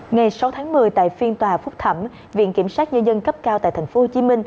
ngày sáu tháng một mươi tại phiên tòa phúc thẩm viện kiểm sát nhân dân cấp cao tại tp hcm